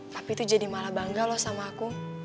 tapi itu jadi malah bangga loh sama aku